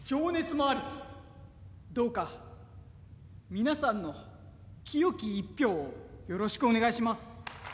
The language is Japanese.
どうか皆さんの清き一票をよろしくお願いします。